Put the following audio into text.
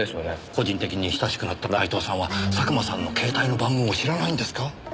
個人的に親しくなった内藤さんは佐久間さんの携帯の番号を知らないんですか？